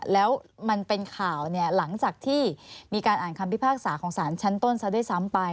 แล้วมันเป็นข่าวหลังจากที่มีการอ่านคำพิพากษาของสารชั้นต้นซะด้วยซ้ำไป